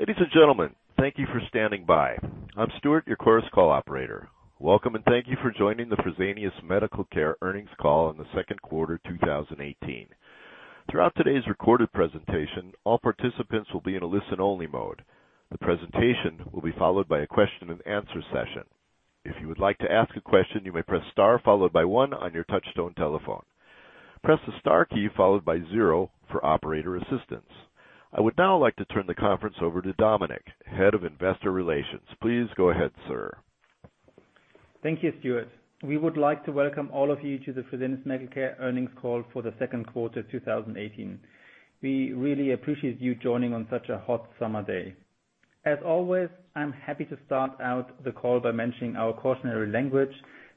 Ladies and gentlemen, thank you for standing by. I'm Stuart, your Chorus Call operator. Welcome, and thank you for joining the Fresenius Medical Care earnings call on the second quarter 2018. Throughout today's recorded presentation, all participants will be in a listen-only mode. The presentation will be followed by a question and answer session. If you would like to ask a question, you may press star followed by one on your touchtone telephone. Press the star key followed by zero for operator assistance. I would now like to turn the conference over to Dominik, Head of Investor Relations. Please go ahead, sir. Thank you, Stuart. We would like to welcome all of you to the Fresenius Medical Care earnings call for the second quarter 2018. We really appreciate you joining on such a hot summer day. As always, I'm happy to start out the call by mentioning our cautionary language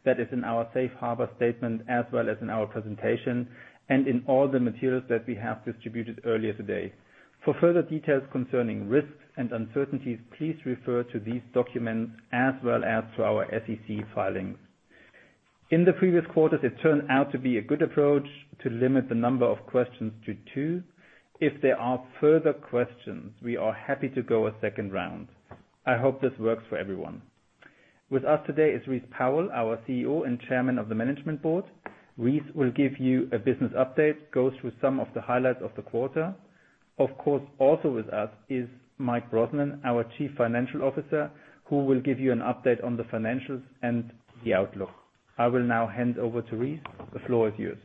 that is in our safe harbor statement, as well as in our presentation, and in all the materials that we have distributed earlier today. For further details concerning risks and uncertainties, please refer to these documents as well as to our SEC filings. In the previous quarters, it turned out to be a good approach to limit the number of questions to two. If there are further questions, we are happy to go a second round. I hope this works for everyone. With us today is Rice Powell, our CEO and Chairman of the Management Board. Rice will give you a business update, go through some of the highlights of the quarter. Of course, also with us is Mike Brosnan, our Chief Financial Officer, who will give you an update on the financials and the outlook. I will now hand over to Rice. The floor is yours.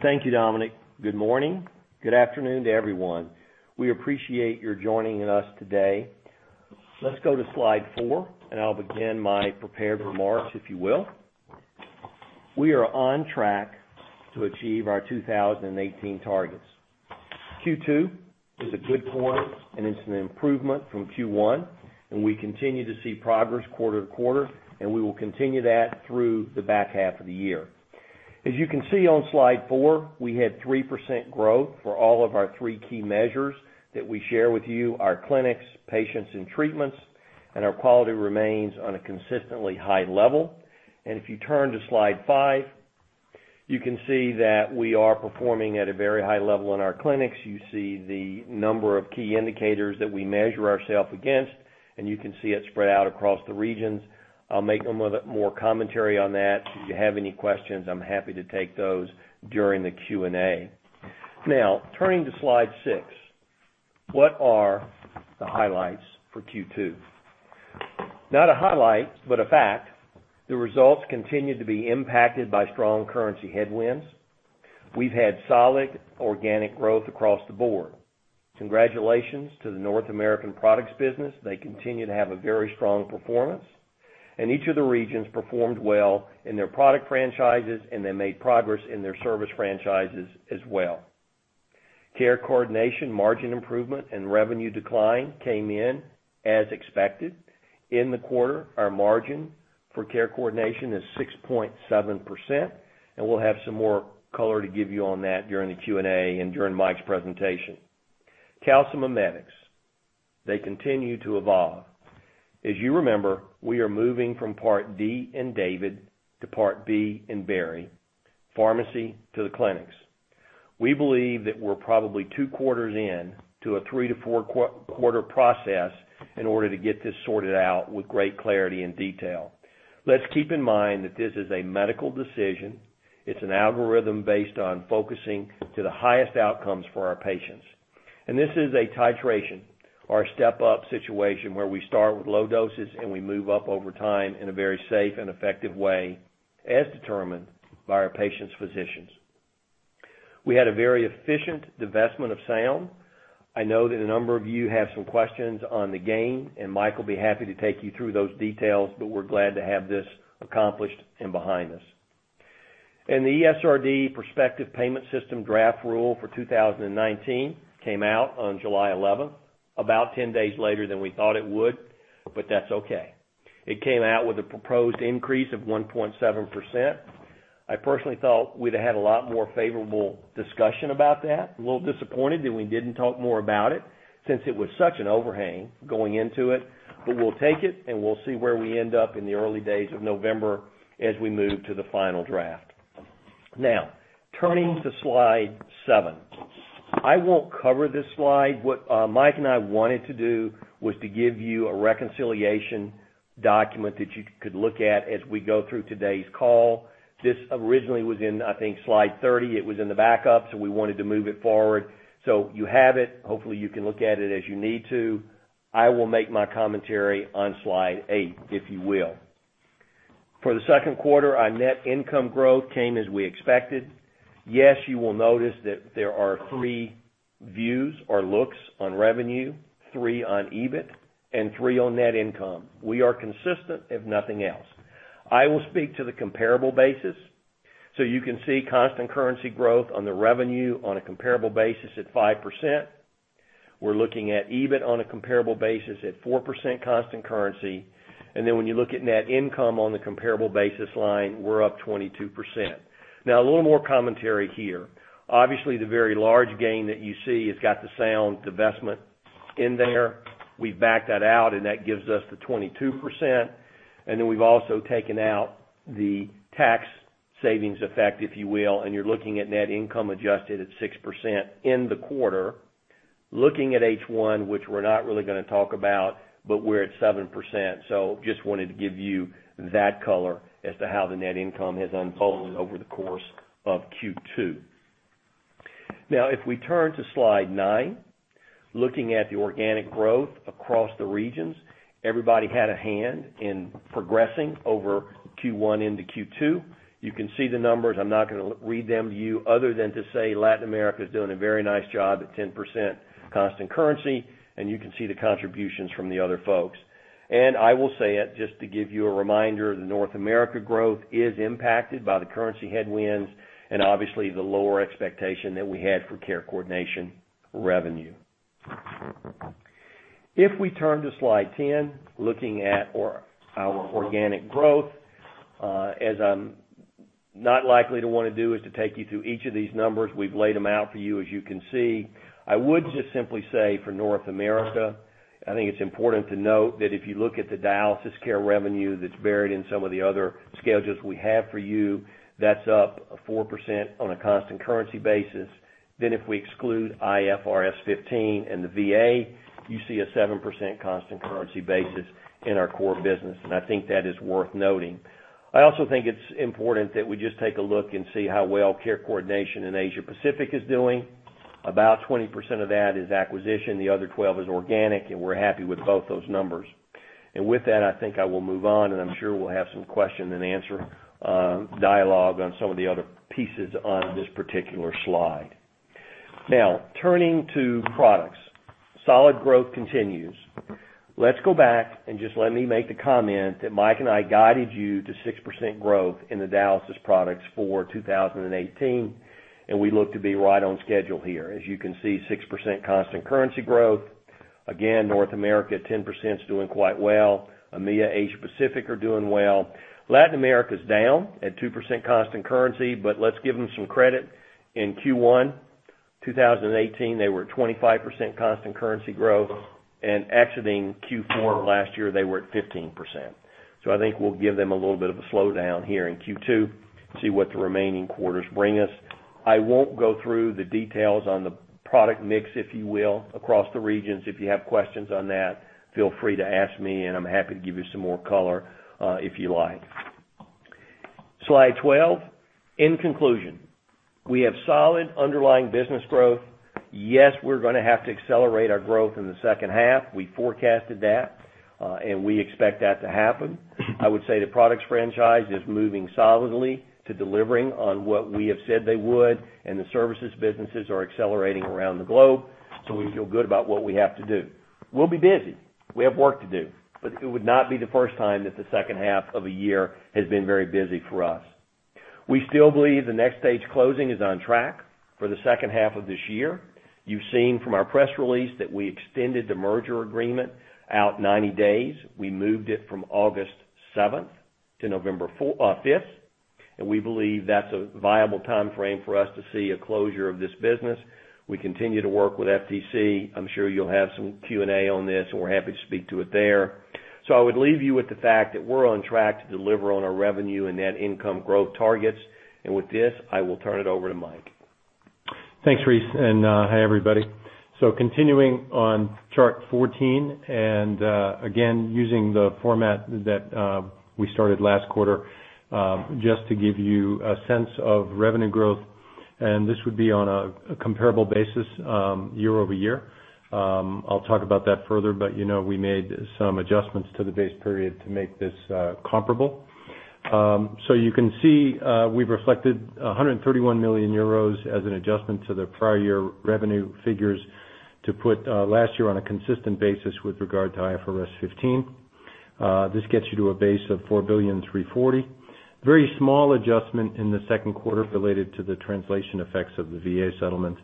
Thank you, Dominik. Good morning. Good afternoon to everyone. We appreciate your joining us today. Let's go to slide four. I'll begin my prepared remarks, if you will. We are on track to achieve our 2018 targets. Q2 is a good quarter. It's an improvement from Q1. We continue to see progress quarter-to-quarter. We will continue that through the back half of the year. As you can see on slide four, we had 3% growth for all of our three key measures that we share with you, our clinics, patients, and treatments, and our quality remains on a consistently high level. If you turn to slide five, you can see that we are performing at a very high level in our clinics. You see the number of key indicators that we measure ourselves against, and you can see it spread out across the regions. I'll make more commentary on that. If you have any questions, I'm happy to take those during the Q&A. Turning to slide six, what are the highlights for Q2? Not a highlight, but a fact, the results continued to be impacted by strong currency headwinds. We've had solid organic growth across the board. Congratulations to the North American products business. They continue to have a very strong performance. Each of the regions performed well in their product franchises, and they made progress in their service franchises as well. Care coordination, margin improvement, and revenue decline came in as expected. In the quarter, our margin for Care coordination is 6.7%. We'll have some more color to give you on that during the Q&A and during Mike's presentation. Calcimimetics, they continue to evolve. As you remember, we are moving from Part D in David to Part B in Barry, pharmacy to the clinics. We believe that we're probably two quarters in to a three to four quarter process in order to get this sorted out with great clarity and detail. Let's keep in mind that this is a medical decision. It's an algorithm based on focusing to the highest outcomes for our patients. This is a titration or a step-up situation where we start with low doses and we move up over time in a very safe and effective way, as determined by our patients' physicians. We had a very efficient divestment of Sound. I know that a number of you have some questions on the gain. Mike will be happy to take you through those details, but we're glad to have this accomplished and behind us. The ESRD prospective payment system draft rule for 2019 came out on July 11th, about 10 days later than we thought it would, but that's okay. It came out with a proposed increase of 1.7%. I personally thought we'd have had a lot more favorable discussion about that. A little disappointed that we didn't talk more about it since it was such an overhang going into it. We'll take it, and we'll see where we end up in the early days of November as we move to the final draft. Turning to slide seven. I won't cover this slide. What Mike and I wanted to do was to give you a reconciliation document that you could look at as we go through today's call. This originally was in, I think, slide 30. It was in the backups. We wanted to move it forward. You have it. Hopefully, you can look at it as you need to. I will make my commentary on slide eight, if you will. For the second quarter, our net income growth came as we expected. Yes, you will notice that there are three views or looks on revenue, three on EBIT, three on net income. We are consistent, if nothing else. I will speak to the comparable basis. You can see constant currency growth on the revenue on a comparable basis at 5%. We're looking at EBIT on a comparable basis at 4% constant currency. When you look at net income on the comparable basis line, we are up 22%. A little more commentary here. Obviously, the very large gain that you see has got the Sound divestment in there. We have backed that out and that gives us the 22%. We have also taken out the tax savings effect, if you will, and you are looking at net income adjusted at 6% in the quarter. Looking at H1, which we are not really going to talk about, but we are at 7%. Just wanted to give you that color as to how the net income has unfolded over the course of Q2. If we turn to slide nine, looking at the organic growth across the regions, everybody had a hand in progressing over Q1 into Q2. You can see the numbers. I am not going to read them to you other than to say Latin America is doing a very nice job at 10% constant currency, and you can see the contributions from the other folks. I will say it, just to give you a reminder, the North America growth is impacted by the currency headwinds and obviously the lower expectation that we had for care coordination revenue. If we turn to slide 10, looking at our organic growth, as I am not likely to want to do is to take you through each of these numbers. We have laid them out for you, as you can see. I would just simply say for North America, I think it is important to note that if you look at the dialysis care revenue that is buried in some of the other schedules we have for you, that is up 4% on a constant currency basis. If we exclude IFRS 15 and the VA, you see a 7% constant currency basis in our core business, and I think that is worth noting. I also think it is important that we just take a look and see how well care coordination in Asia Pacific is doing. About 20% of that is acquisition, the other 12% is organic, and we are happy with both those numbers. With that, I think I will move on, and I am sure we will have some question and answer dialogue on some of the other pieces on this particular slide. Turning to products. Solid growth continues. Let us go back and just let me make the comment that Mike and I guided you to 6% growth in the dialysis products for 2018, and we look to be right on schedule here. As you can see, 6% constant currency growth. North America at 10% is doing quite well. EMEA, Asia Pacific are doing well. Latin America is down at 2% constant currency, but let us give them some credit. In Q1 2018, they were at 25% constant currency growth, and exiting Q4 last year, they were at 15%. I think we will give them a little bit of a slowdown here in Q2, see what the remaining quarters bring us. I won't go through the details on the product mix, if you will, across the regions. If you have questions on that, feel free to ask me, and I am happy to give you some more color if you like. Slide 12. In conclusion, we have solid underlying business growth. Yes, we are going to have to accelerate our growth in the second half. We forecasted that, and we expect that to happen. I would say the products franchise is moving solidly to delivering on what we have said they would. The services businesses are accelerating around the globe, we feel good about what we have to do. We will be busy. We have work to do. It would not be the first time that the second half of a year has been very busy for us. We still believe the NxStage closing is on track for the second half of this year. You have seen from our press release that we extended the merger agreement out 90 days. We moved it from August 7th to November 5th, we believe that is a viable timeframe for us to see a closure of this business. We continue to work with FTC. I am sure you will have some Q&A on this, we are happy to speak to it there. I would leave you with the fact that we are on track to deliver on our revenue and net income growth targets. With this, I will turn it over to Mike. Thanks, Rice, and hi, everybody. Continuing on chart 14, again, using the format that we started last quarter, just to give you a sense of revenue growth. This would be on a comparable basis year-over-year. I will talk about that further, but you know we made some adjustments to the base period to make this comparable. You can see we have reflected 131 million euros as an adjustment to the prior year revenue figures to put last year on a consistent basis with regard to IFRS 15. This gets you to a base of 4.340 billion. Very small adjustment in the second quarter related to the translation effects of the U.S. Department of Veterans Affairs settlement.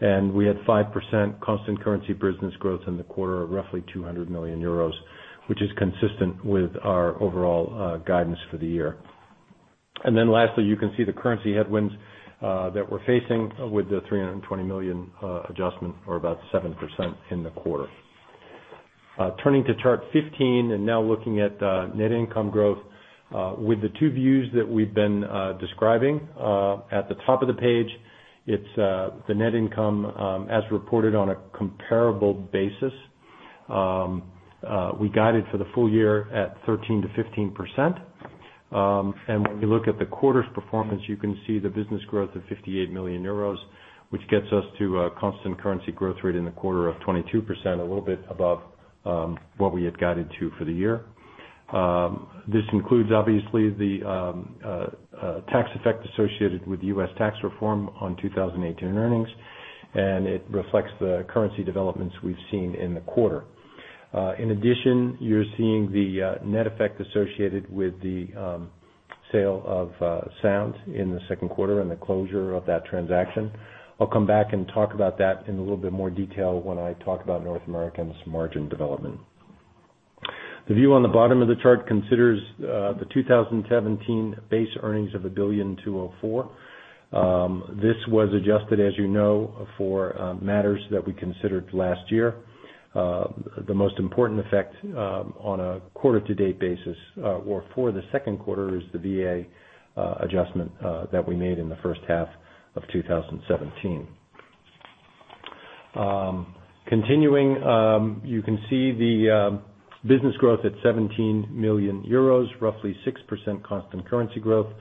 We had 5% constant currency business growth in the quarter of roughly 200 million euros, which is consistent with our overall guidance for the year. Lastly, you can see the currency headwinds that we are facing with the 320 million adjustment, or about 7% in the quarter. Turning to chart 15, now looking at net income growth with the two views that we have been describing. At the top of the page, it is the net income as reported on a comparable basis. We guided for the full year at 13%-15%. When we look at the quarter's performance, you can see the business growth of 58 million euros, which gets us to a constant currency growth rate in the quarter of 22%, a little bit above what we had guided to for the year. This includes, obviously, the tax effect associated with U.S. tax reform on 2018 earnings. It reflects the currency developments we have seen in the quarter. In addition, you're seeing the net effect associated with the sale of Sound in the second quarter and the closure of that transaction. I'll come back and talk about that in a little bit more detail when I talk about North America and its margin development. The view on the bottom of the chart considers the 2017 base earnings of €1.204 billion. This was adjusted, as you know, for matters that we considered last year. The most important effect on a quarter-to-date basis or for the second quarter is the VA adjustment that we made in the first half of 2017. Continuing, you can see the business growth at €17 million, roughly 6% constant currency growth,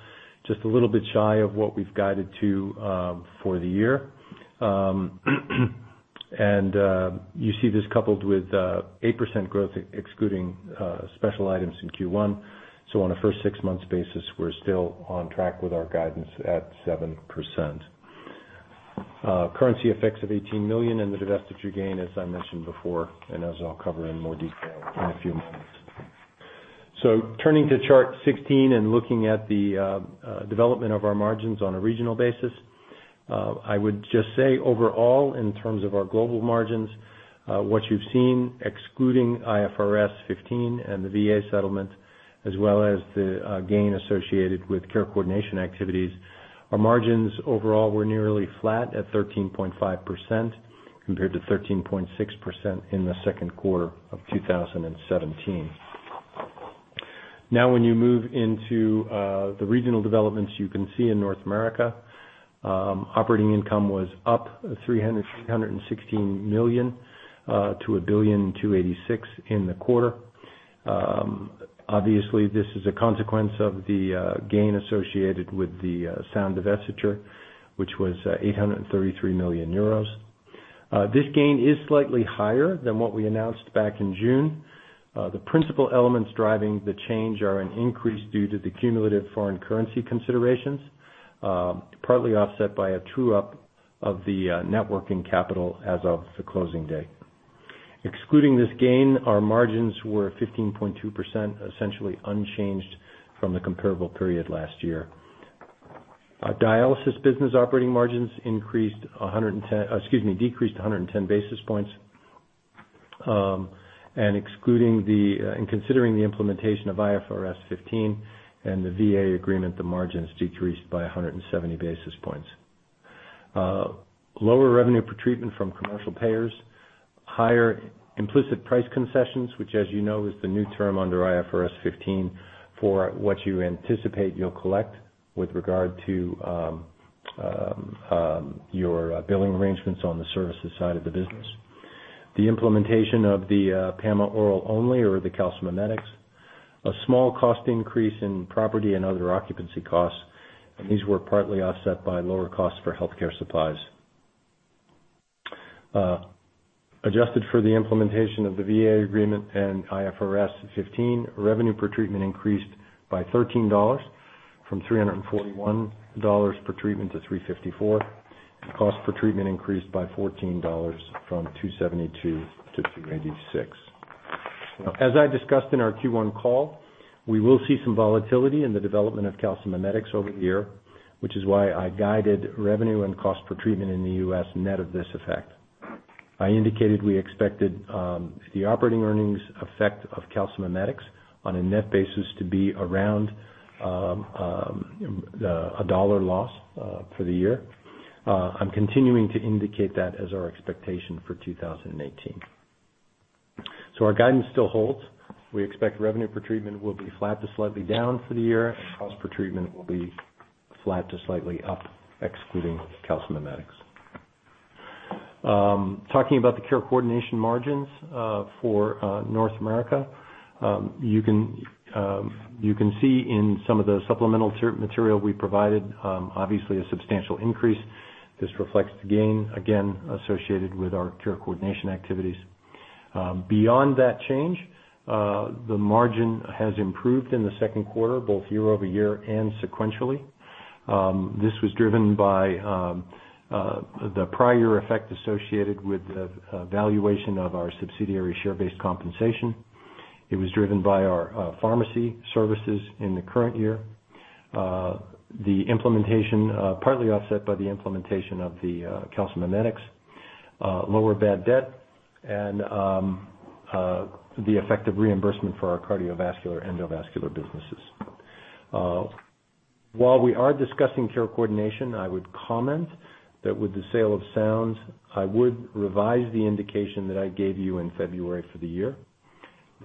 just a little bit shy of what we've guided to for the year. You see this coupled with 8% growth excluding special items in Q1. On a first six months basis, we're still on track with our guidance at 7%. Currency effects of 18 million and the divestiture gain, as I mentioned before and as I'll cover in more detail in a few moments. Turning to Chart 16 and looking at the development of our margins on a regional basis. I would just say overall, in terms of our global margins, what you've seen, excluding IFRS 15 and the VA settlement as well as the gain associated with care coordination activities, our margins overall were nearly flat at 13.5% compared to 13.6% in the second quarter of 2017. When you move into the regional developments, you can see in North America operating income was up €316 million to €1.286 billion in the quarter. Obviously, this is a consequence of the gain associated with the Sound divestiture, which was €833 million. This gain is slightly higher than what we announced back in June. The principal elements driving the change are an increase due to the cumulative foreign currency considerations, partly offset by a true-up of the net working capital as of the closing day. Excluding this gain, our margins were 15.2%, essentially unchanged from the comparable period last year. Our dialysis business operating margins decreased 110 basis points. And considering the implementation of IFRS 15 and the VA agreement, the margins decreased by 170 basis points. Lower revenue per treatment from commercial payers, higher implicit price concessions, which as you know is the new term under IFRS 15 for what you anticipate you'll collect with regard to your billing arrangements on the services side of the business. The implementation of the PAMA oral only or the calcimimetics, a small cost increase in property and other occupancy costs, and these were partly offset by lower costs for healthcare supplies. Adjusted for the implementation of the VA agreement and IFRS 15, revenue per treatment increased by $13 from $341 per treatment to $354, and cost per treatment increased by $14 from $272 to $286. As I discussed in our Q1 call, we will see some volatility in the development of calcimimetics over the year, which is why I guided revenue and cost per treatment in the U.S. net of this effect. I indicated we expected the operating earnings effect of calcimimetics on a net basis to be around a dollar loss for the year. I'm continuing to indicate that as our expectation for 2018. Our guidance still holds. We expect revenue per treatment will be flat to slightly down for the year, cost per treatment will be flat to slightly up, excluding calcimimetics. Talking about the care coordination margins for North America. You can see in some of the supplemental material we provided, obviously a substantial increase. This reflects the gain, again, associated with our care coordination activities. Beyond that change, the margin has improved in the second quarter, both year-over-year and sequentially. This was driven by the prior year effect associated with the valuation of our subsidiary share-based compensation. It was driven by our pharmacy services in the current year, partly offset by the implementation of the calcimimetics, lower bad debt, and the effect of reimbursement for our cardiovascular and endovascular businesses. While we are discussing care coordination, I would comment that with the sale of Sound, I would revise the indication that I gave you in February for the year.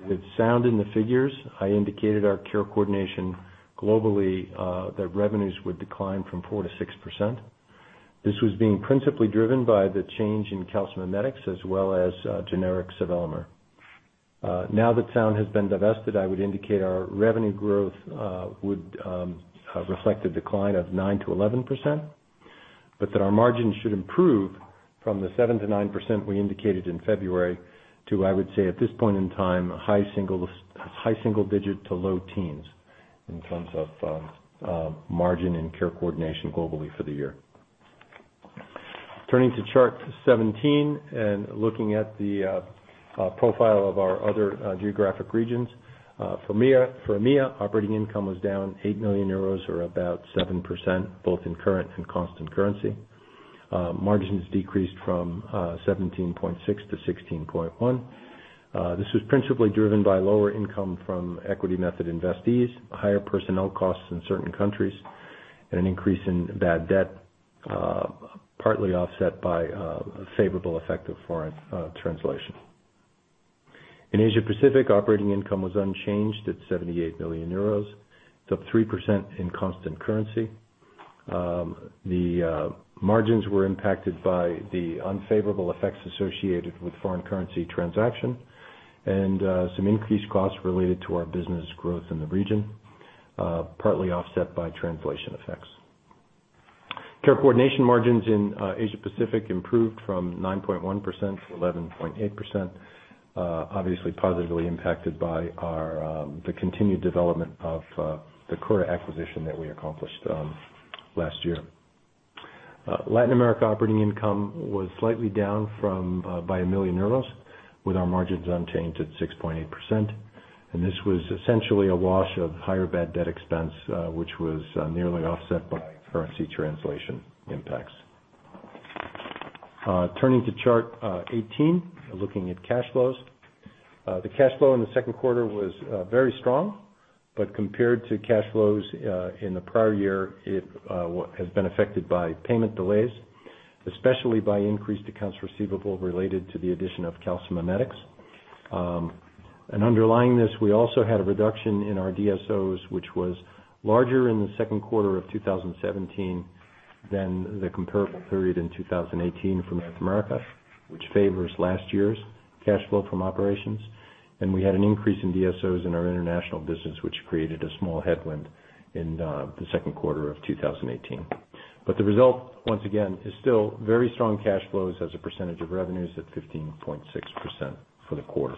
With Sound in the figures, I indicated our care coordination globally that revenues would decline from 4%-6%. This was being principally driven by the change in calcimimetics as well as generic sevelamer. Now that Sound has been divested, I would indicate our revenue growth would reflect a decline of 9%-11%, but that our margins should improve from the 7%-9% we indicated in February to, I would say at this point in time, high single digit to low teens in terms of margin and care coordination globally for the year. Turning to Chart 17 and looking at the profile of our other geographic regions. For EMEA, operating income was down 8 million euros or about 7%, both in current and constant currency. Margins decreased from 17.6% to 16.1%. This was principally driven by lower income from equity method investees, higher personnel costs in certain countries, and an increase in bad debt, partly offset by a favorable effect of foreign translation. In Asia Pacific, operating income was unchanged at 78 million euros. It is up 3% in constant currency. The margins were impacted by the unfavorable effects associated with foreign currency transaction and some increased costs related to our business growth in the region, partly offset by translation effects. Care coordination margins in Asia Pacific improved from 9.1%-11.8%, obviously positively impacted by the continued development of the Cura acquisition that we accomplished last year. Latin America operating income was slightly down by 1 million euros, with our margins unchanged at 6.8%. This was essentially a wash of higher bad debt expense, which was nearly offset by currency translation impacts. Turning to Chart 18, looking at cash flows. The cash flow in the second quarter was very strong, but compared to cash flows in the prior year, it has been affected by payment delays, especially by increased accounts receivable related to the addition of calcimimetics. Underlying this, we also had a reduction in our DSOs, which was larger in the second quarter of 2017 than the comparable period in 2018 for North America, which favors last year's cash flow from operations. We had an increase in DSOs in our international business, which created a small headwind in the second quarter of 2018. The result, once again, is still very strong cash flows as a percentage of revenues at 15.6% for the quarter.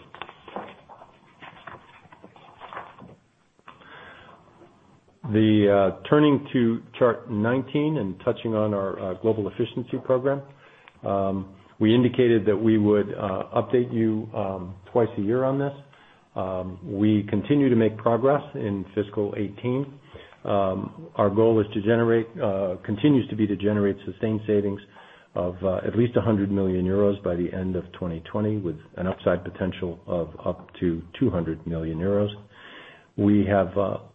Turning to Chart 19 and touching on our Global Efficiency Program. We indicated that we would update you twice a year on this. We continue to make progress in fiscal 2018. Our goal continues to be to generate sustained savings of at least 100 million euros by the end of 2020, with an upside potential of up to 200 million euros. We have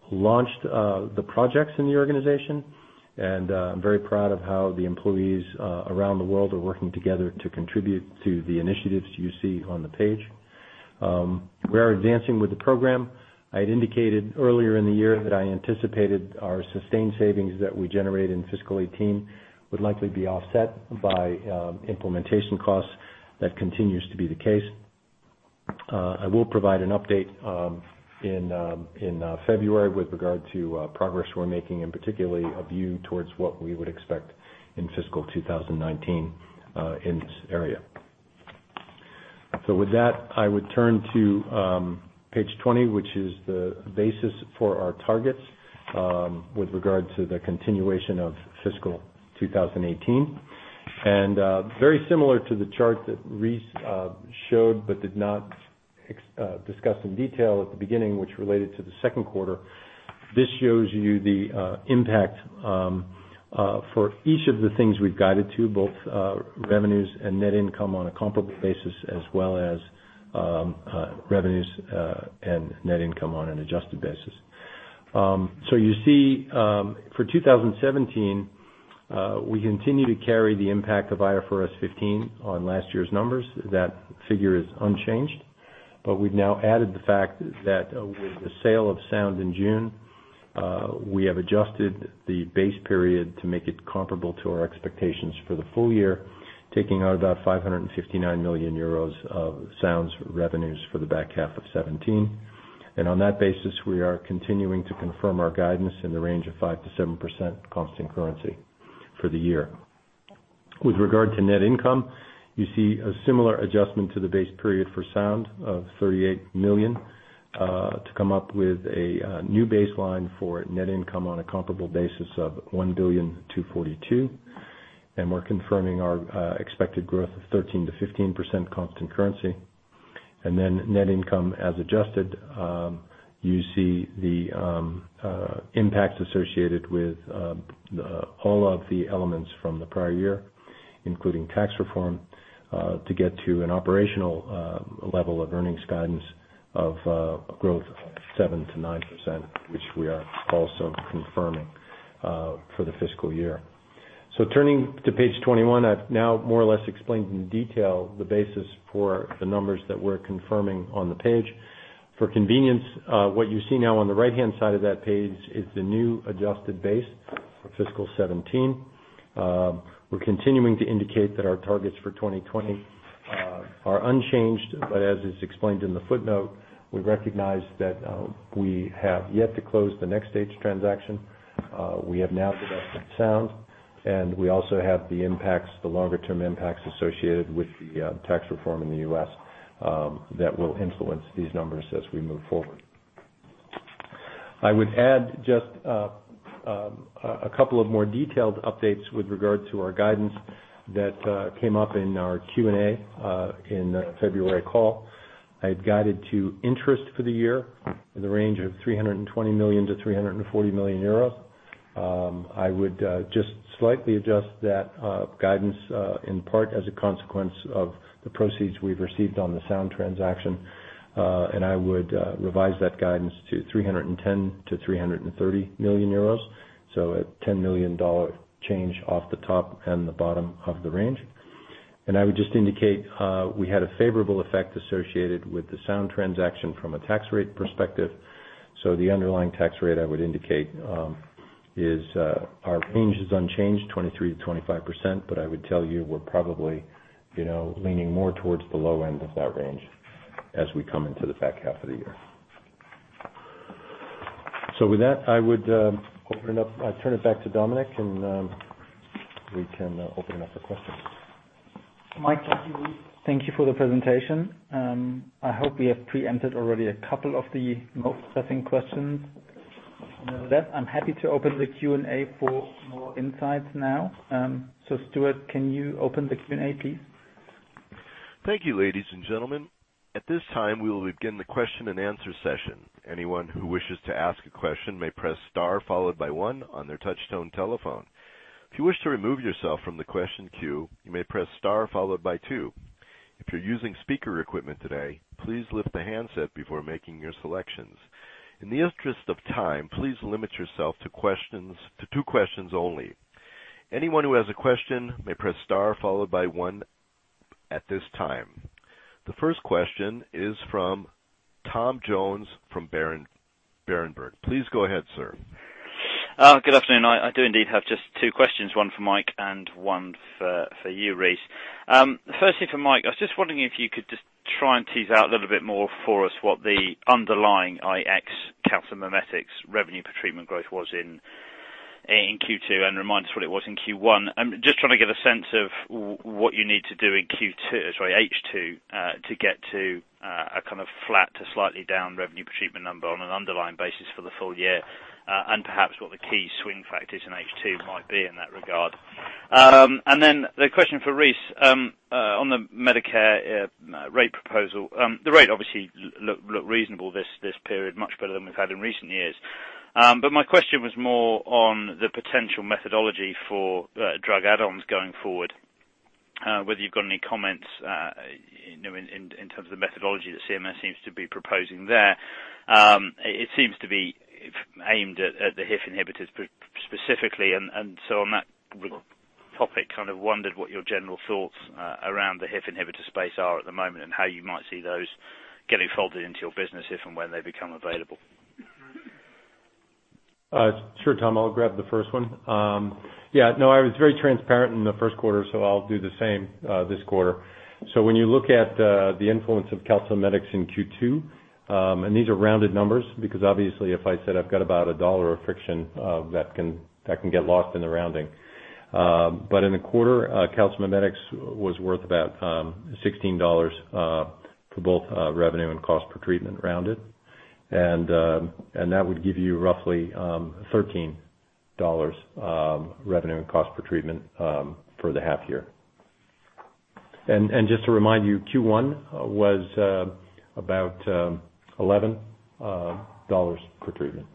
launched the projects in the organization, and I am very proud of how the employees around the world are working together to contribute to the initiatives you see on the page. We are advancing with the program. I had indicated earlier in the year that I anticipated our sustained savings that we generate in fiscal 2018 would likely be offset by implementation costs. That continues to be the case. I will provide an update in February with regard to progress we're making, and particularly a view towards what we would expect in fiscal 2019 in this area. With that, I would turn to Page 20, which is the basis for our targets with regard to the continuation of fiscal 2018. Very similar to the chart that Rice showed but did not discuss in detail at the beginning, which related to the second quarter, this shows you the impact for each of the things we've guided to, both revenues and net income on a comparable basis, as well as revenues and net income on an adjusted basis. You see, for 2017, we continue to carry the impact of IFRS 15 on last year's numbers. That figure is unchanged, we've now added the fact that with the sale of Sound in June, we have adjusted the base period to make it comparable to our expectations for the full year, taking out about 559 million euros of Sound's revenues for the back half of 2017. On that basis, we are continuing to confirm our guidance in the range of 5%-7% constant currency for the year. With regard to net income, you see a similar adjustment to the base period for Sound of 38 million to come up with a new baseline for net income on a comparable basis of 1,242 million. We're confirming our expected growth of 13%-15% constant currency. Net income as adjusted, you see the impacts associated with all of the elements from the prior year, including tax reform, to get to an operational level of earnings guidance of a growth of 7%-9%, which we are also confirming for the fiscal year. Turning to Page 21, I've now more or less explained in detail the basis for the numbers that we're confirming on the page. For convenience, what you see now on the right-hand side of that page is the new adjusted base for fiscal 2017. We're continuing to indicate that our targets for 2020 are unchanged, as is explained in the footnote, we recognize that we have yet to close the NxStage transaction. We have now divested Sound, we also have the longer-term impacts associated with the tax reform in the U.S. that will influence these numbers as we move forward. I would add just a couple of more detailed updates with regard to our guidance that came up in our Q&A in the February call. I had guided to interest for the year in the range of 320 million to 340 million euros. I would just slightly adjust that guidance in part as a consequence of the proceeds we've received on the Sound transaction. I would revise that guidance to 310 million to 330 million euros, so a EUR 10 million change off the top and the bottom of the range. I would just indicate we had a favorable effect associated with the Sound transaction from a tax rate perspective. The underlying tax rate, I would indicate our range is unchanged, 23%-25%, but I would tell you we're probably leaning more towards the low end of that range as we come into the back half of the year. With that, I would open it up. I turn it back to Dominik, we can open it up for questions. Mike, thank you for the presentation. I hope we have pre-empted already a couple of the most pressing questions. With that, I'm happy to open the Q&A for more insights now. Stuart, can you open the Q&A, please? Thank you, ladies and gentlemen. At this time, we will begin the question and answer session. Anyone who wishes to ask a question may press star followed by one on their touch tone telephone. If you wish to remove yourself from the question queue, you may press star followed by two. If you're using speaker equipment today, please lift the handset before making your selections. In the interest of time, please limit yourself to two questions only. Anyone who has a question may press star followed by one at this time. The first question is from Tom Jones from Berenberg. Please go ahead, sir. Good afternoon. I do indeed have just two questions, one for Mike and one for you, Rice. Firstly, for Mike, I was just wondering if you could just try and tease out a little bit more for us what the underlying calcimimetics revenue per treatment growth was in Q2 and remind us what it was in Q1. I'm just trying to get a sense of what you need to do in H2 to get to a kind of flat to slightly down revenue per treatment number on an underlying basis for the full year, and perhaps what the key swing factors in H2 might be in that regard. The question for Rice, on the Medicare rate proposal. The rate obviously looked reasonable this period, much better than we've had in recent years. My question was more on the potential methodology for drug add-ons going forward, whether you've got any comments in terms of the methodology that CMS seems to be proposing there. It seems to be aimed at the HIF inhibitors specifically. On that topic, kind of wondered what your general thoughts around the HIF inhibitor space are at the moment, and how you might see those getting folded into your business if and when they become available. Sure, Tom, I'll grab the first one. I was very transparent in the first quarter, I'll do the same this quarter. When you look at the influence of calcimimetics in Q2, and these are rounded numbers, because obviously if I said I've got about a USD 1 of friction, that can get lost in the rounding. In a quarter, calcimimetics was worth about $16 for both revenue and cost per treatment rounded. That would give you roughly $13 revenue and cost per treatment for the half year. Just to remind you, Q1 was about $11 per treatment.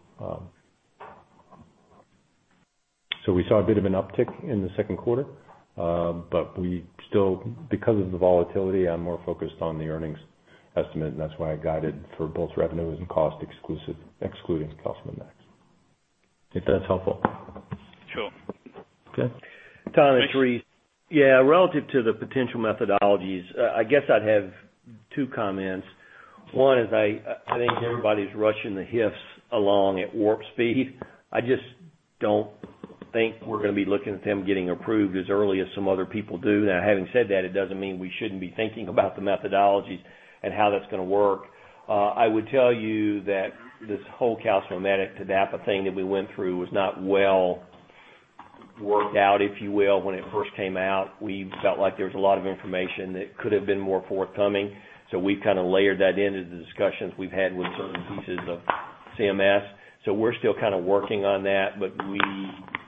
Because of the volatility, I'm more focused on the earnings estimate, and that's why I guided for both revenues and cost excluding calcimimetics. If that's helpful. Sure. Okay. Thanks. Tom, it's Rice. Yeah, relative to the potential methodologies, I guess I'd have two comments. One is I think everybody's rushing the HIFs along at warp speed. I just don't think we're going to be looking at them getting approved as early as some other people do. Having said that, it doesn't mean we shouldn't be thinking about the methodologies and how that's going to work. I would tell you that this whole calcimimetic to that thing that we went through was not well worked out, if you will, when it first came out. We felt like there was a lot of information that could have been more forthcoming. We kind of layered that into the discussions we've had with certain pieces of CMS. We're still kind of working on that, but we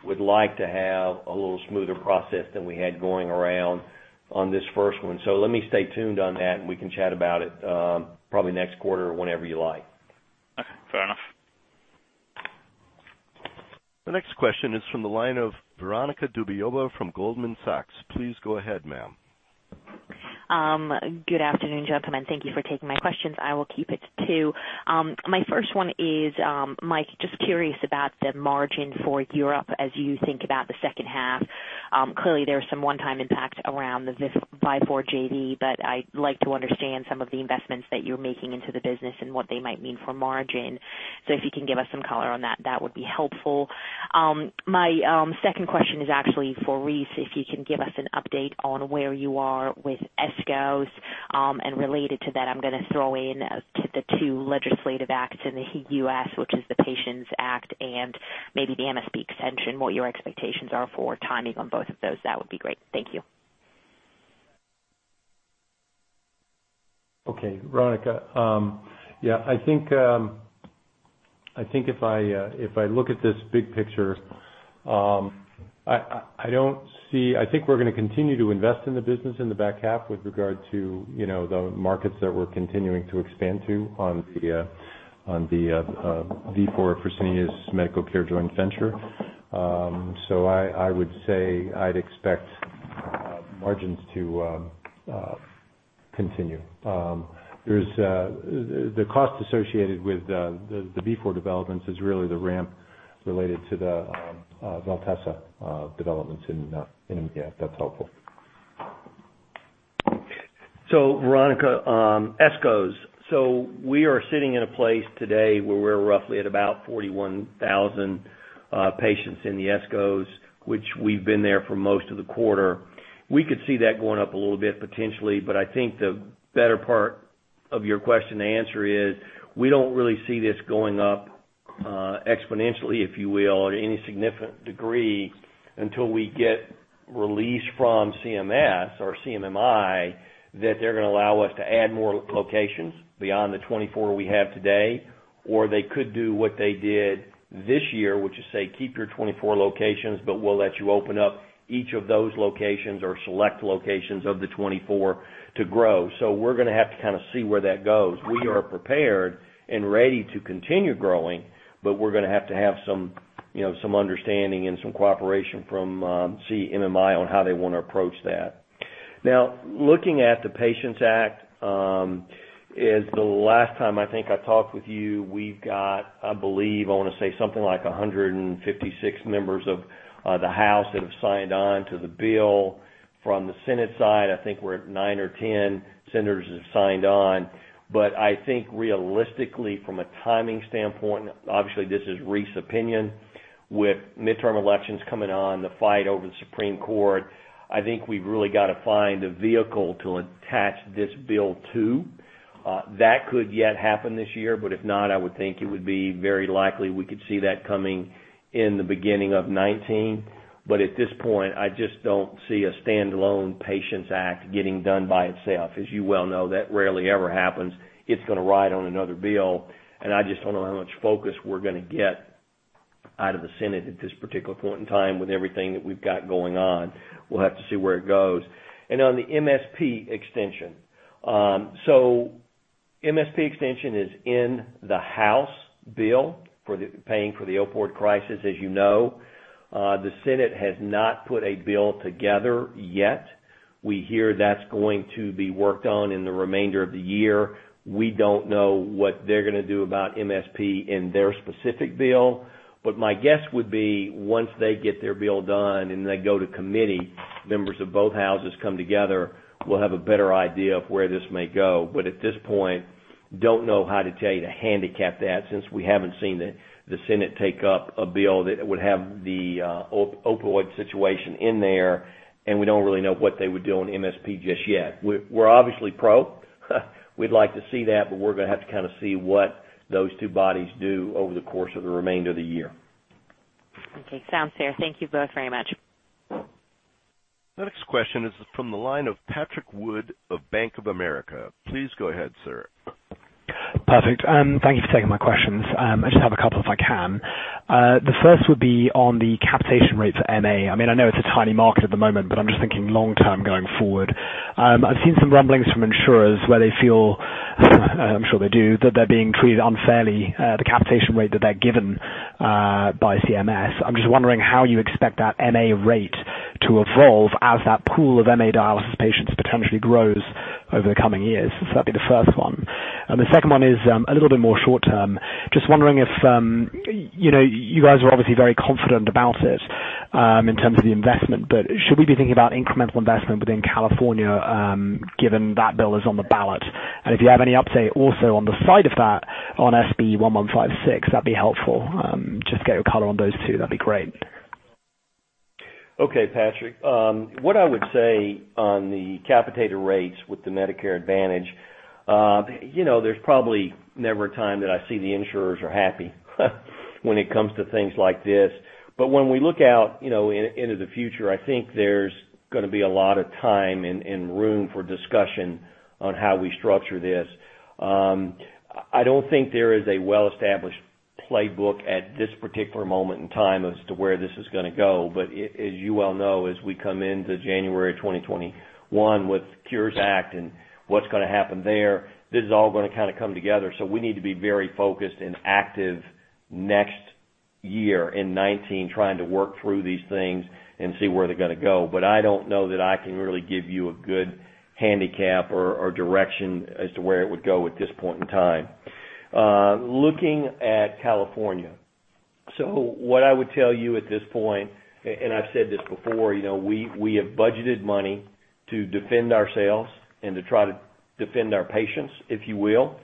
would like to have a little smoother process than we had going around on this first one. Let me stay tuned on that, and we can chat about it probably next quarter or whenever you like. Okay. Fair enough. The next question is from the line of Veronika Dubajova from Goldman Sachs. Please go ahead, ma'am. Good afternoon, gentlemen. Thank you for taking my questions. I will keep it to two. My first one is Mike, just curious about the margin for Europe as you think about the second half. Clearly there is some one-time impact around the Vifor JV, but I'd like to understand some of the investments that you're making into the business and what they might mean for margin. If you can give us some color on that would be helpful. My second question is actually for Rice. If you can give us an update on where you are with ESCOs. And related to that, I'm going to throw in the two legislative acts in the U.S., which is the Patients Act and maybe the MSP extension, what your expectations are for timing on both of those. That would be great. Thank you. Okay, Veronika. I think if I look at this big picture, I think we're going to continue to invest in the business in the back half with regard to the markets that we're continuing to expand to on the Vifor Fresenius Medical Care joint venture. I would say I'd expect margins to continue. The cost associated with the Vifor developments is really the ramp related to the dialysis developments in India. If that's helpful. Veronika, ESCOs. We are sitting in a place today where we're roughly at about 41,000 patients in the ESCOs, which we've been there for most of the quarter. We could see that going up a little bit, potentially, but I think the better part of your question to answer is, we don't really see this going up exponentially, if you will, at any significant degree until we get release from CMS or CMMI, that they're going to allow us to add more locations beyond the 24 we have today, or they could do what they did this year, which is say, "Keep your 24 locations, but we'll let you open up each of those locations or select locations of the 24 to grow." We're going to have to kind of see where that goes. We are prepared and ready to continue growing, but we're going to have to have some understanding and some cooperation from CMMI on how they want to approach that. Now, looking at the Patients Act, is the last time I think I talked with you, we've got, I believe, I want to say something like 156 members of the House that have signed on to the bill. From the Senate side, I think we're at nine or 10 senators that have signed on. I think realistically, from a timing standpoint, obviously this is Rice opinion, with midterm elections coming on, the fight over the Supreme Court, I think we've really got to find a vehicle to attach this bill to. That could yet happen this year, but if not, I would think it would be very likely we could see that coming in the beginning of 2019. At this point, I just don't see a standalone Patients Act getting done by itself. As you well know, that rarely ever happens. It's going to ride on another bill, I just don't know how much focus we're going to get out of the Senate at this particular point in time with everything that we've got going on. We'll have to see where it goes. On the MSP extension. MSP extension is in the House bill for paying for the opioid crisis, as you know. The Senate has not put a bill together yet. We hear that's going to be worked on in the remainder of the year. We don't know what they're going to do about MSP in their specific bill. My guess would be once they get their bill done and they go to committee, members of both houses come together, we'll have a better idea of where this may go. At this point, don't know how to tell you to handicap that, since we haven't seen the Senate take up a bill that would have the opioid situation in there, and we don't really know what they would do on MSP just yet. We're obviously pro. We'd like to see that, but we're going to have to kind of see what those two bodies do over the course of the remainder of the year. Okay, sounds fair. Thank you both very much. The next question is from the line of Patrick Wood of Bank of America. Please go ahead, sir. Perfect. Thank you for taking my questions. I just have a couple if I can. The first would be on the capitation rate for MA. I know it's a tiny market at the moment, but I'm just thinking long-term going forward. I've seen some rumblings from insurers where they feel, I'm sure they do, that they're being treated unfairly, the capitation rate that they're given by CMS. I'm just wondering how you expect that MA rate to evolve as that pool of MA dialysis patients potentially grows over the coming years. That'd be the first one. The second one is a little bit more short-term. Just wondering if, you guys are obviously very confident about it in terms of the investment, but should we be thinking about incremental investment within California, given that bill is on the ballot? If you have any update also on the side of that on SB 1156, that'd be helpful. Just to get your color on those two, that'd be great. Okay, Patrick. What I would say on the capitated rates with the Medicare Advantage, there's probably never a time that I see the insurers are happy when it comes to things like this. When we look out into the future, I think there's gonna be a lot of time and room for discussion on how we structure this. I don't think there is a well-established playbook at this particular moment in time as to where this is gonna go. As you well know, as we come into January 2021 with Cures Act and what's gonna happen there, this is all gonna kind of come together. We need to be very focused and active next year in 2019, trying to work through these things and see where they're gonna go. I don't know that I can really give you a good handicap or direction as to where it would go at this point in time. Looking at California, what I would tell you at this point, and I've said this before, we have budgeted money to defend ourselves and to try to defend our patients, if you will.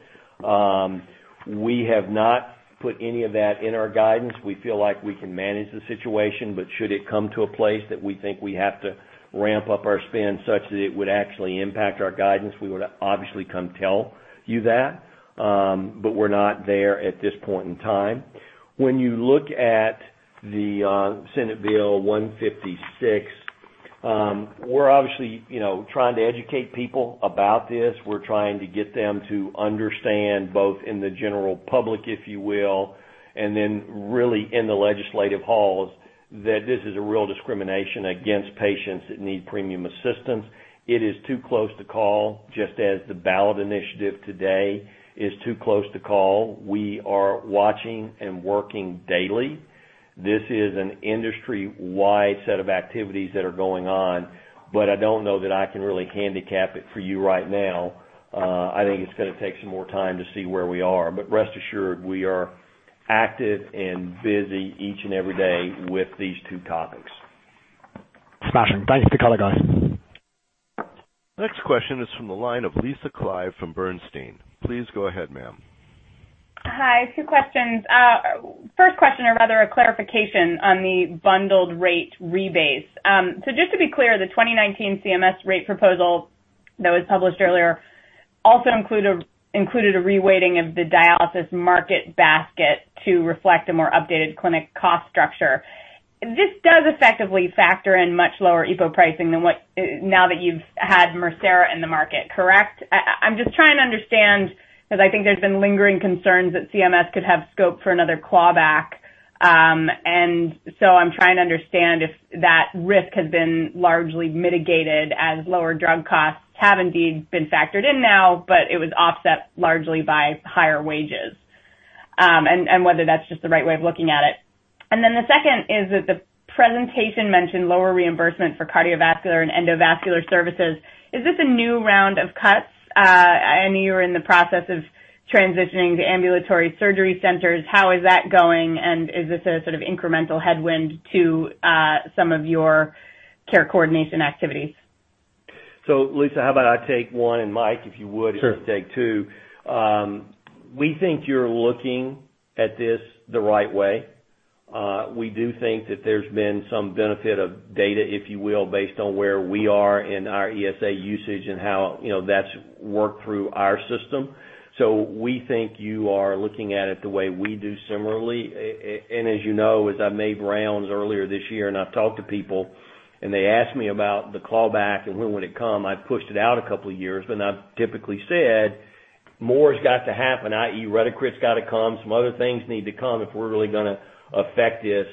We have not put any of that in our guidance. We feel like we can manage the situation, should it come to a place that we think we have to ramp up our spend such that it would actually impact our guidance, we would obviously come tell you that. We're not there at this point in time. When you look at the Senate Bill 1156, we're obviously trying to educate people about this. We're trying to get them to understand, both in the general public, if you will, and then really in the legislative halls, that this is a real discrimination against patients that need premium assistance. It is too close to call, just as the ballot initiative today is too close to call. We are watching and working daily. This is an industry-wide set of activities that are going on, I don't know that I can really handicap it for you right now. I think it's going to take some more time to see where we are. Rest assured, we are active and busy each and every day with these two topics. Smashing. Thanks for color, guys. Next question is from the line of Lisa Clive from Bernstein. Please go ahead, ma'am. Hi, two questions. First question, or rather a clarification on the bundled rate rebase. Just to be clear, the 2019 CMS rate proposal that was published earlier also included a reweighting of the dialysis market basket to reflect a more updated clinic cost structure. This does effectively factor in much lower EPO pricing now that you've had Mircera in the market, correct? I'm just trying to understand, because I think there's been lingering concerns that CMS could have scope for another clawback. I'm trying to understand if that risk has been largely mitigated as lower drug costs have indeed been factored in now, but it was offset largely by higher wages, and whether that's just the right way of looking at it. The second is that the presentation mentioned lower reimbursement for cardiovascular and endovascular services. Is this a new round of cuts? I know you were in the process of transitioning to ambulatory surgery centers. How is that going, and is this a sort of incremental headwind to some of your care coordination activities? Lisa, how about I take one and Mike, if you would- Sure. you can take two. We think you're looking at this the right way. We do think that there's been some benefit of data, if you will, based on where we are in our ESA usage and how that's worked through our system. We think you are looking at it the way we do similarly. As you know, as I made rounds earlier this year and I've talked to people, and they asked me about the callback and when would it come, I've pushed it out a couple of years, but I've typically said more has got to happen, i.e. Retacrit's got to come, some other things need to come if we're really going to affect this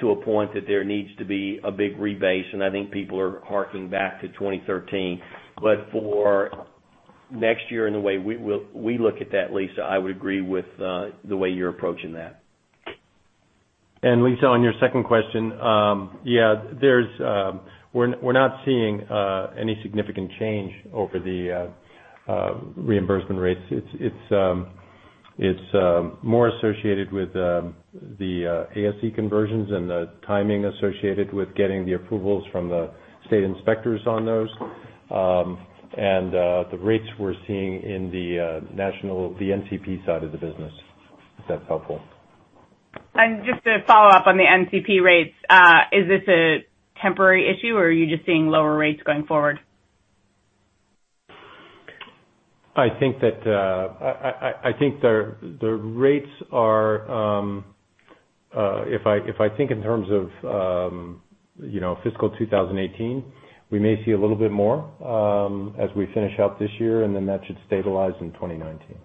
to a point that there needs to be a big rebase, and I think people are harking back to 2013. For next year and the way we look at that, Lisa, I would agree with the way you're approaching that. Lisa, on your second question, yeah, we're not seeing any significant change over the reimbursement rates. It's more associated with the ASC conversions and the timing associated with getting the approvals from the state inspectors on those, and the rates we're seeing in the NCP side of the business. If that's helpful. Just to follow up on the NCP rates, is this a temporary issue, or are you just seeing lower rates going forward? I think if I think in terms of fiscal 2018, we may see a little bit more as we finish out this year, and then that should stabilize in 2019.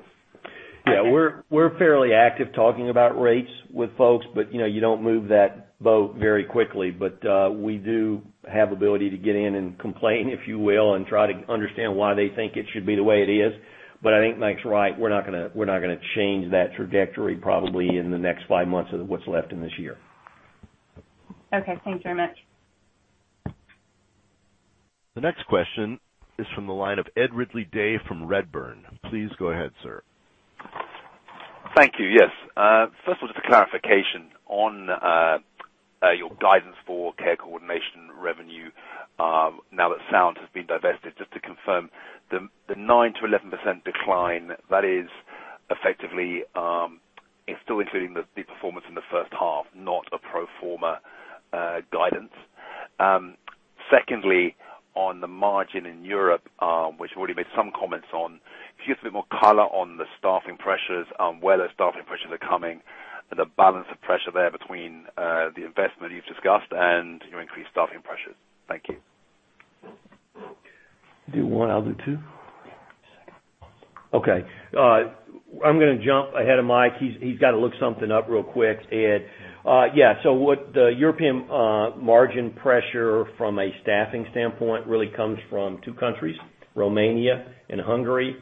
Yeah, we're fairly active talking about rates with folks, but you don't move that boat very quickly. We do have ability to get in and complain, if you will, and try to understand why they think it should be the way it is. I think Mike's right. We're not going to change that trajectory probably in the next five months of what's left in this year. Okay, thanks very much. The next question is from the line of Ed Ridley-Day from Redburn. Please go ahead, sir. Thank you. Yes. First of all, just a clarification on your guidance for care coordination revenue now that Sound has been divested. Just to confirm, the 9%-11% decline, that is effectively still including the performance in the first half, not a pro forma guidance. Secondly, on the margin in Europe, which you already made some comments on, could you give us a bit more color on the staffing pressures, where those staffing pressures are coming, and the balance of pressure there between the investment you've discussed and your increased staffing pressures? Thank you. You do one, I'll do two? Okay. I'm going to jump ahead of Mike. He's got to look something up real quick, Ed. Yeah. What the European margin pressure from a staffing standpoint really comes from two countries, Romania and Hungary.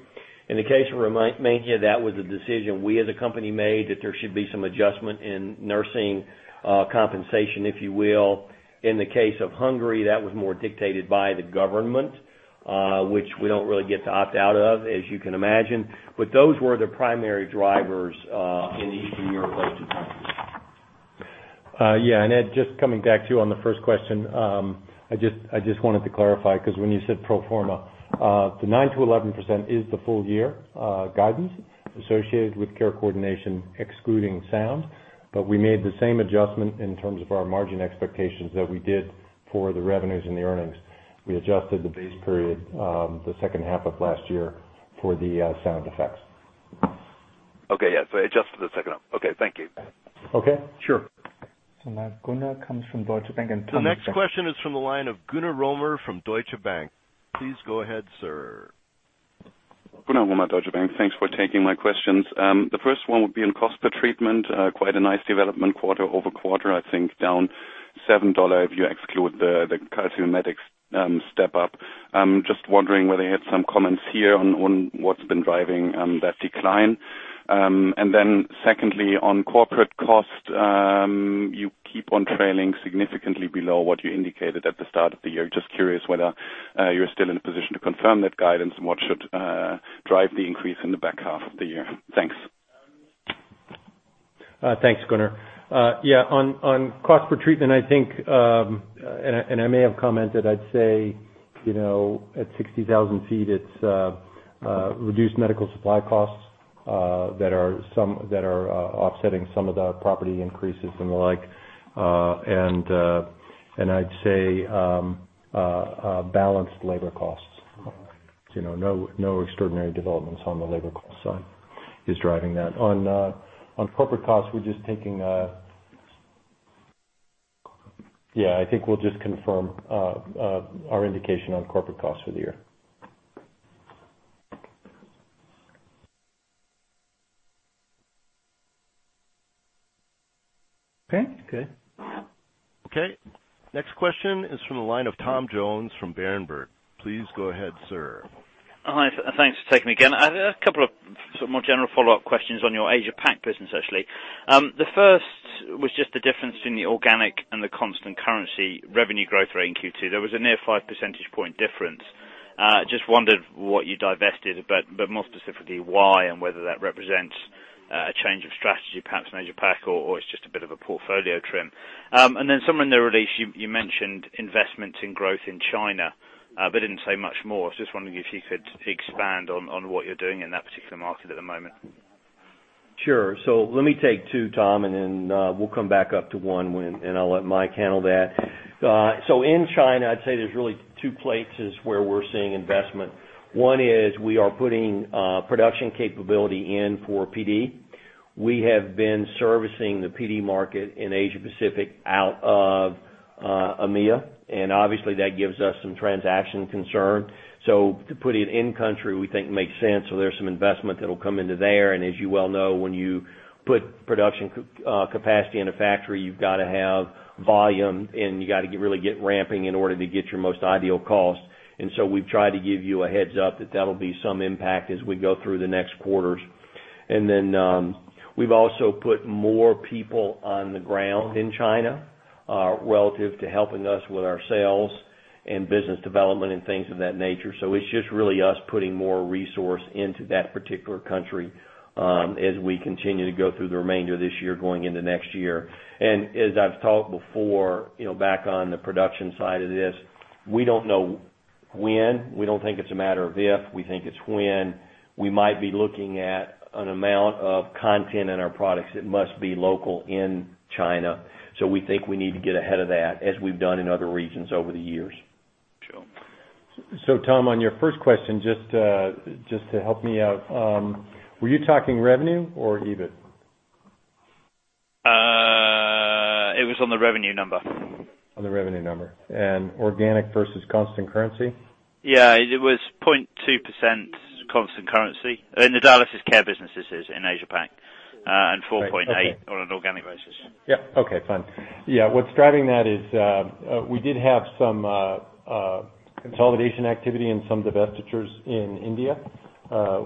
In the case of Romania, that was a decision we as a company made that there should be some adjustment in nursing compensation, if you will. In the case of Hungary, that was more dictated by the government, which we don't really get to opt out of, as you can imagine. Those were the primary drivers in the Eastern Europe-based countries. Yeah. Ed, just coming back to you on the first question. I just wanted to clarify, because when you said pro forma, the 9%-11% is the full year guidance associated with care coordination excluding Sound. We made the same adjustment in terms of our margin expectations that we did for the revenues and the earnings. We adjusted the base period, the second half of last year, for the Sound effects. Okay, yeah. It adjusted the second one. Okay, thank you. Okay? Sure. Now Gunnar comes from Deutsche Bank. The next question is from the line of Gunnar Romer from Deutsche Bank. Please go ahead, sir. Gunnar Romer, Deutsche Bank. Thanks for taking my questions. The first one would be on cost per treatment, quite a nice development quarter-over-quarter, I think down $7 if you exclude the calcimimetics step up. I am just wondering whether you had some comments here on what has been driving that decline. Secondly, on corporate cost, you keep on trailing significantly below what you indicated at the start of the year. Just curious whether you are still in a position to confirm that guidance and what should drive the increase in the back half of the year. Thanks. Thanks, Gunnar. On cost per treatment, I may have commented, I'd say, at 60,000 feet, it's reduced medical supply costs that are offsetting some of the property increases and the like, I'd say balanced labor costs. No extraordinary developments on the labor cost side is driving that. On corporate costs, I think we'll just confirm our indication on corporate costs for the year. Okay. Okay. Okay. Next question is from the line of Tom Jones from Berenberg. Please go ahead, sir. Hi, thanks for taking me again. A couple of more general follow-up questions on your Asia Pac business, actually. The first was just the difference between the organic and the constant currency revenue growth rate in Q2. There was a near five percentage point difference. Just wondered what you divested, more specifically, why, and whether that represents a change of strategy, perhaps in Asia Pac or it's just a bit of a portfolio trim. Somewhere in the release, you mentioned investments in growth in China, didn't say much more. Just wondering if you could expand on what you're doing in that particular market at the moment. Sure. Let me take two, Tom, we'll come back up to one, I'll let Mike handle that. In China, I'd say there's really two places where we're seeing investment. One is we are putting production capability in for PD. We have been servicing the PD market in Asia Pacific out of EMEA, obviously that gives us some transaction concern. To put it in country we think makes sense, there's some investment that'll come into there, as you well know, when you put production capacity in a factory, you've got to have volume, you got to really get ramping in order to get your most ideal cost. We've tried to give you a heads-up that that'll be some impact as we go through the next quarters. We've also put more people on the ground in China, relative to helping us with our sales and business development and things of that nature. It's just really us putting more resource into that particular country as we continue to go through the remainder of this year, going into next year. As I've talked before, back on the production side of this, we don't know when. We don't think it's a matter of if, we think it's when, we might be looking at an amount of content in our products that must be local in China. We think we need to get ahead of that as we've done in other regions over the years. Sure. Tom, on your first question, just to help me out, were you talking revenue or EBIT? It was on the revenue number. On the revenue number. Organic versus constant currency? Yeah, it was 0.2% constant currency in the dialysis care businesses in Asia Pac. Right. Okay. 4.8% on an organic basis. Yep. Okay, fine. Yeah, what's driving that is we did have some consolidation activity and some divestitures in India,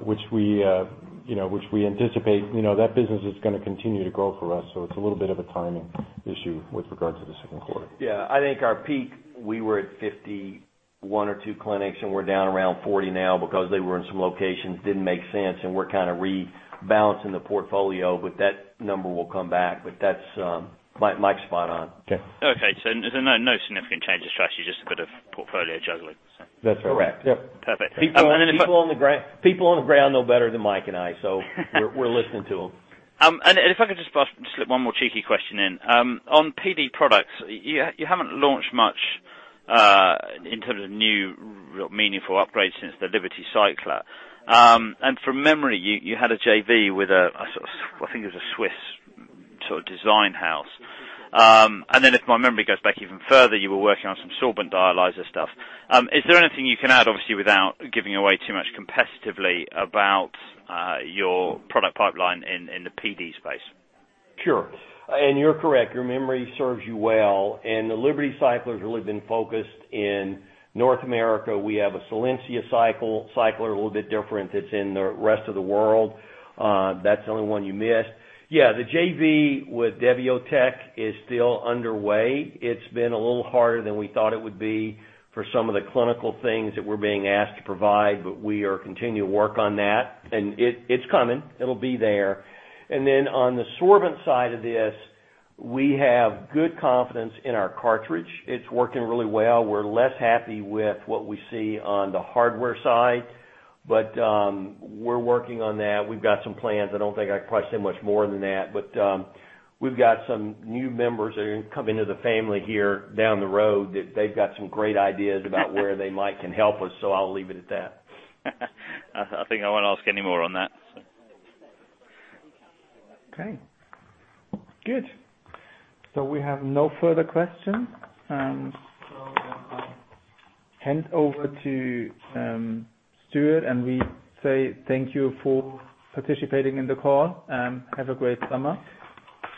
which we anticipate that business is going to continue to grow for us, it's a little bit of a timing issue with regard to the second quarter. Yeah, I think our peak, we were at 51 or 2 clinics, and we're down around 40 now because they were in some locations, didn't make sense, and we're kind of rebalancing the portfolio, but that number will come back. Mike's spot on. Okay. Okay. No significant change of strategy, just a bit of portfolio juggling? That's correct. Correct. Yep. Perfect. People on the ground know better than Mike and I, so we're listening to them. If I could just slip one more cheeky question in. On PD products, you haven't launched much in terms of new meaningful upgrades since the Liberty cycler. From memory, you had a JV with a, I think it was a Swiss sort of design house. Then if my memory goes back even further, you were working on some sorbent dialyzer stuff. Is there anything you can add, obviously without giving away too much competitively, about your product pipeline in the PD space? Sure. You're correct, your memory serves you well, the Liberty cycler has really been focused in North America. We have a SILENCIA cycler, a little bit different that's in the rest of the world. That's the only one you missed. Yeah, the JV with Debiotech is still underway. It's been a little harder than we thought it would be for some of the clinical things that we're being asked to provide, but we are continuing to work on that, and it's coming. It'll be there. Then on the sorbent side of this, we have good confidence in our cartridge. It's working really well. We're less happy with what we see on the hardware side, but we're working on that. We've got some plans. I don't think I can probably say much more than that. We've got some new members that are going to come into the family here down the road, that they've got some great ideas about where they might can help us, I'll leave it at that. I think I won't ask any more on that. Okay, good. We have no further questions. I'll hand over to Stuart. We say thank you for participating in the call. Have a great summer.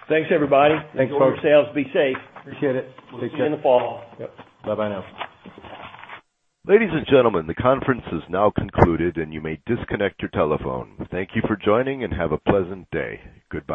Thanks, everybody. Thanks, folks. Enjoy your sales. Be safe. Appreciate it. We'll see you in the fall. Yep. Bye now. Ladies and gentlemen, the conference is now concluded, and you may disconnect your telephone. Thank you for joining, and have a pleasant day. Goodbye.